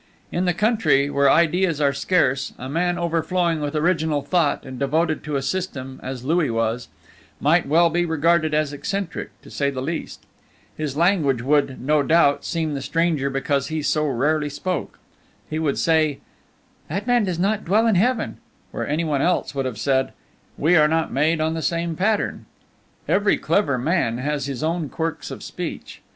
In the country, where ideas are scarce, a man overflowing with original thought and devoted to a system, as Louis was, might well be regarded as eccentric, to say the least. His language would, no doubt, seem the stranger because he so rarely spoke. He would say, "That man does not dwell in heaven," where any one else would have said, "We are not made on the same pattern." Every clever man has his own quirks of speech.